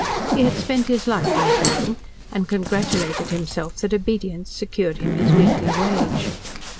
He had spent his life in obeying, and congratulated himself that obedience secured him his weekly wage.